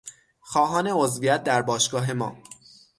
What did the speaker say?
خواهان عضویت در باشگاه ما